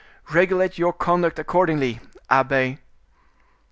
Regulate your conduct accordingly, abbe."